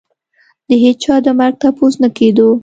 د هېچا د مرګ تپوس نه کېدو.